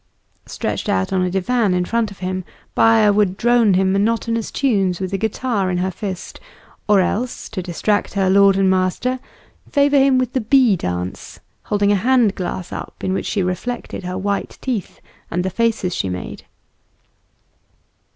Stretched out on a divan in front of him, Baya would drone him monotonous tunes with a guitar in her fist; or else, to distract her lord and master, favour him with the Bee Dance, holding a hand glass up, in which she reflected her white teeth and the faces she made.